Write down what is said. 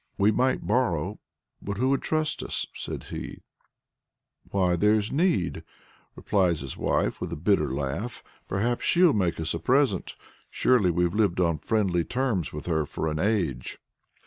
"We might borrow, but who would trust us?" says he. "Why there's Need!" replies his wife with a bitter laugh. "Perhaps she'll make us a present. Surely we've lived on friendly terms with her for an age!"